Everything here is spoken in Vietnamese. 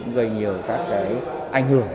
gây nhiều các cái ảnh hưởng